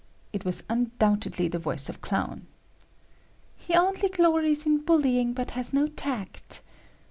It was undoubtedly the voice of Clown. "He only glories in bullying but has no tact."